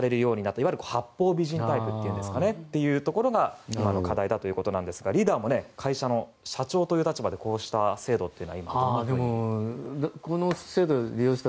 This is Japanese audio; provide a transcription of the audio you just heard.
いわゆる八方美人タイプというところが今の課題だということですがリーダーも会社の社長という立場でこうした制度は今どうですか。